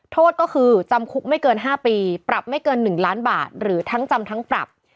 โทษก็คือจำคุกไม่เกิน๕ปีปรับไม่เกิน๑ล้านบาทหรือทั้งจำทั้งปรับ